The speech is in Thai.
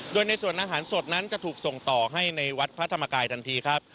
โดยในส่วนอาหารสดนั้นจะถูกส่งต่อให้ในวัดพระธรรมกายทันทีครับ